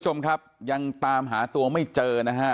คุณผู้ชมครับยังตามหาตัวไม่เจอนะฮะ